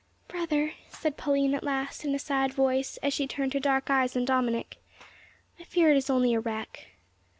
"Brother," said Pauline at last in a sad voice, as she turned her dark eyes on Dominick, "I fear it is only a wreck."